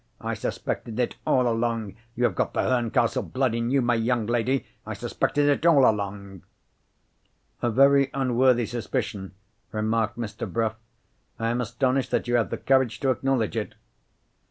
I suspected it, all along. You have got the Herncastle blood in you, my young lady! I suspected it all along." "A very unworthy suspicion," remarked Mr. Bruff. "I am astonished that you have the courage to acknowledge it."